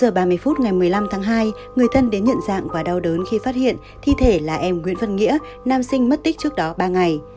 ba giờ ba mươi phút ngày một mươi năm tháng hai người thân đến nhận dạng và đau đớn khi phát hiện thi thể là em nguyễn văn nghĩa nam sinh mất tích trước đó ba ngày